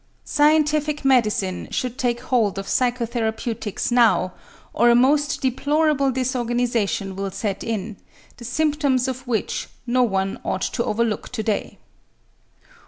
Scientific medicine should take hold of psychotherapeutics now or a most deplorable disorganization will set in, the symptoms of which no one ought to overlook to day.